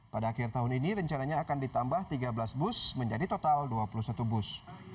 pada akhir tahun ini rencananya akan ditambah tiga belas bus menjadi total dua puluh satu bus